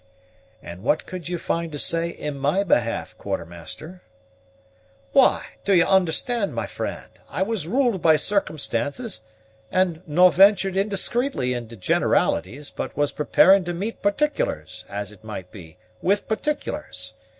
"And what could you find to say in my behalf, Quartermaster?" "Why, d'ye understand, my friend, I was ruled by circumstances, and no' ventured indiscreetly into generalities, but was preparing to meet particulars, as it might be, with particulars.